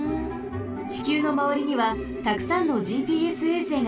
ちきゅうのまわりにはたくさんのＧＰＳ衛星があります。